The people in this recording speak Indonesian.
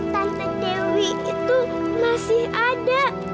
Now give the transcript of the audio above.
tante dewi itu masih ada